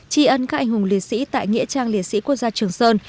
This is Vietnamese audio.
tri ân các anh hùng liệt sĩ tại nghĩa trang liệt sĩ quốc gia trường sơn